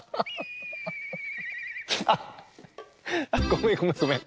あっあっごめんごめんごめん。